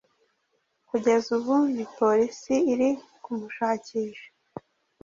kugeza ubu ni Polisi iri kumushakisha